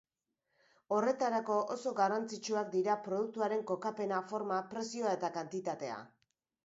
Horretarako, oso garrantzitsuak dira produktuaren kokapena, forma, prezioa eta kantitatea.